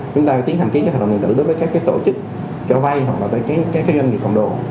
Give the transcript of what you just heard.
chúng ta tiến hành ký các hoạt động nguyên tử đối với các tổ chức cho vây hoặc là các doanh nghiệp phòng đồ